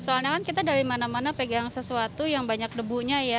soalnya kan kita dari mana mana pegang sesuatu yang banyak debunya ya